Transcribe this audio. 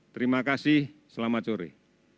terima kasih selamat sore